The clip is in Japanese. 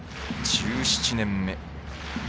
１７年目。